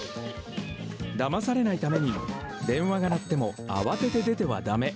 だまされないために、電話が鳴っても慌てて出てはだめ。